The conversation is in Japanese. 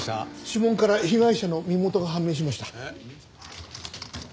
指紋から被害者の身元が判明しました。